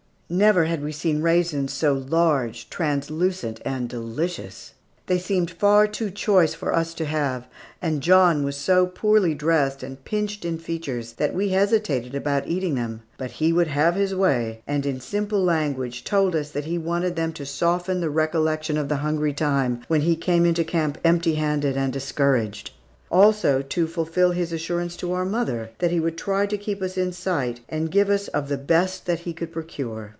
Never had we seen raisins so large, translucent, and delicious. They seemed far too choice for us to have, and John was so poorly dressed and pinched in features that we hesitated about eating them. But he would have his way, and in simple language told us that he wanted them to soften the recollection of the hungry time when he came into camp empty handed and discouraged. Also to fulfil his assurance to our mother that he would try to keep us in sight, and give us of the best that he could procure.